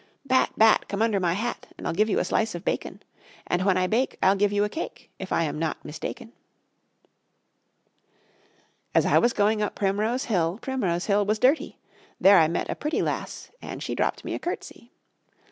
Bat, bat, Come under my hat, And I'll give you a slice of bacon; And when I bake I'll give you a cake, If I am not mistaken. As I was going up Primrose Hill, Primrose Hill was dirty; There I met a pretty lass, And she dropped me a curtsey.